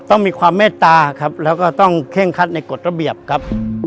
ต้องมีความเมตตาครับแล้วก็ต้องเคร่งคัดในกฎระเบียบครับ